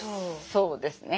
そうですね。